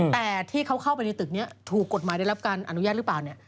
แต่ที่เขาเข้าไปในตึกนี้ถูกกฎหมายได้รับการอนุญาตหรือเปล่าเนี่ย